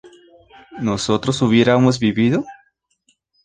¿nosotros hubiéramos vivido?